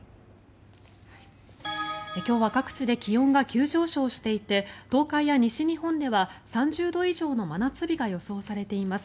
今日は各地で気温が急上昇していて東海や西日本では３０度以上の真夏日が予想されています。